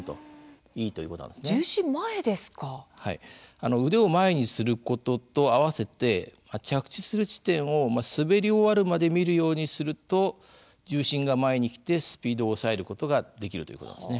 あの腕を前にすることと併せて着地する地点を滑り終わるまで見るようにすると重心が前に来てスピードを抑えることができるということなんですね。